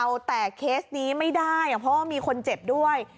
เอาแต่เคสนี้ไม่ได้เพราะว่ามีคนเจ็บด้วย